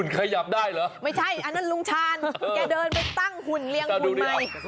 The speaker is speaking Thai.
แกเดินไปตั้งหุ่นเรียงหุ่นใหม่